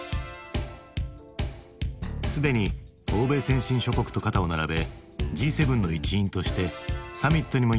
すでに欧米先進諸国と肩を並べＧ７の一員としてサミットにも唯一アジアから参加。